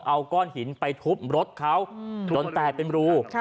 เอาก้อนหินไปทุบรถเขาจนแตกเป็นรู